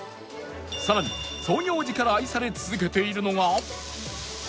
さらに創業時から愛され続けているのが